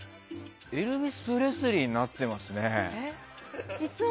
エルヴィス・プレスリーになってますね。